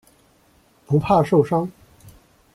不怕受伤。